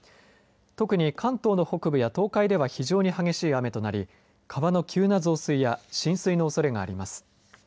特に関東の北部や東海では非常に激しい雨となり川の急な増水や浸水のおそれがあります。